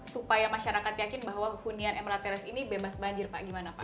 supaya masyarakat yakin bahwa kehunian emirates ini bebas banjir pak gimana pak